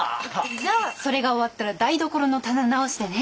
じゃあそれが終わったら台所の棚直してね。